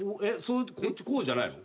こっちこうじゃないの？